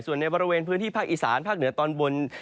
ส่วนในบริเวณพื้นที่ภาคอีสานภาคเหนือตอนบน